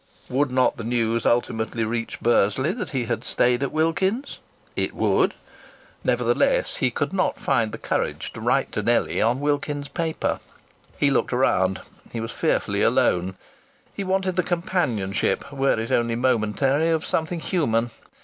Would not the news ultimately reach Bursley that he had stayed at Wilkins's? It would. Nevertheless, he could not find the courage to write to Nellie on Wilkins's paper. He looked around. He was fearfully alone. He wanted the companionship, were it only momentary, of something human.